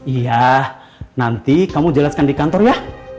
iya nanti kamu jelaskan di kantor ya